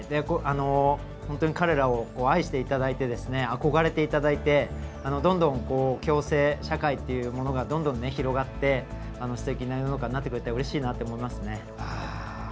彼らを愛していただいて憧れていただいて共生社会というものがどんどん広がってすてきな世の中になってくれたらうれしいなって思いますね。